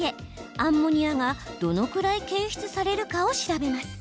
アンモニアがどのくらい検出されるかを調べます。